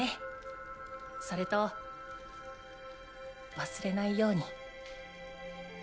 それと忘れないように。